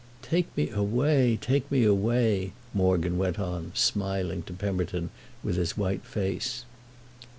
"Take me away—take me away," Morgan went on, smiling to Pemberton with his white face.